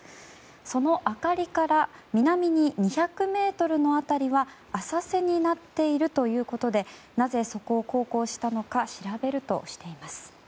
その明かりから南に２００ｍの辺りは浅瀬になっているということでなぜ、そこを航行したのか調べるとしています。